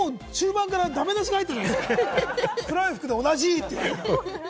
なんかもう中盤からダメ出し入ってるじゃないですか、黒い服で同じって。